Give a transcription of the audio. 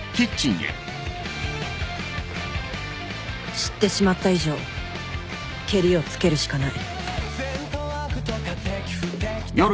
知ってしまった以上けりをつけるしかない